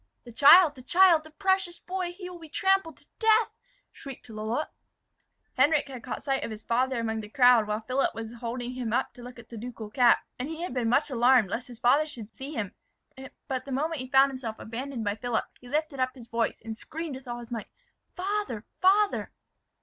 "The child, the child! the precious boy! he will be trampled to death!" shrieked Lalotte. Henric had caught sight of his father among the crowd while Philip was holding him up to look at the ducal cap, and he had been much alarmed lest his father should see him. But the moment he found himself abandoned by Philip, he lifted up his voice, and screamed with all his might, "Father, father!"